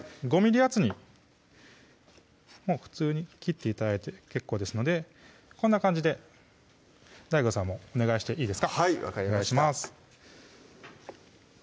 ５ｍｍ厚にもう普通に切って頂いて結構ですのでこんな感じでＤＡＩＧＯさんもお願いしていいですかはい分かりましたお願いします